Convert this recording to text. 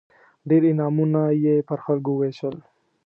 ډېر انعامونه یې پر خلکو ووېشل.